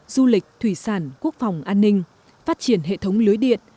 du lịch thủy sản quốc phòng an ninh phát triển hệ thống lưới điện